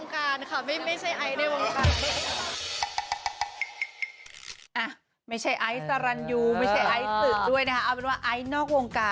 ขอโทษพี่ไอซ์สรรยูด้วยนะ